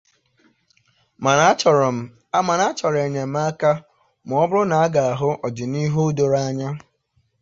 Mana achọrọ enyemaka maọbụrụ n'aga ahụ ọdịnihu doro anya.